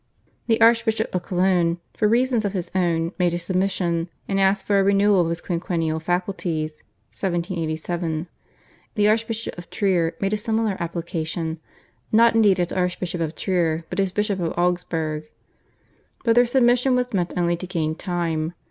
The Archbishop of Cologne for reasons of his own made his submission, and asked for a renewal of his quinquennial faculties (1787). The Archbishop of Trier made a similar application, not indeed as Archbishop of Trier, but as Bishop of Augsburg. But their submission was meant only to gain time.